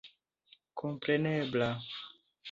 komprenebla